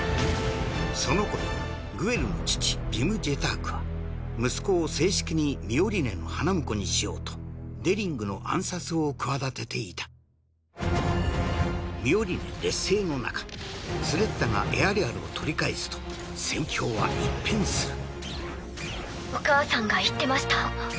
そのころグエルの父ヴィム・ジェタークは息子を正式にミオリネの花婿にしようとデリングの暗殺を企てていたミオリネ劣勢のなかスレッタがエアリアルを取り返すと戦況は一変するお母さんが言ってました。